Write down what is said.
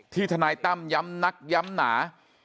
ที่ทนายตั้มยำนักยำหนา